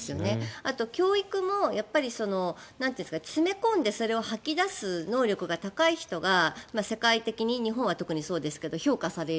あと教育も、詰め込んでそれを吐き出す能力が高い人が世界的に日本は特にそうですが評価される。